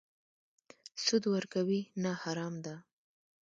سود ورکوي؟ نه، حرام ده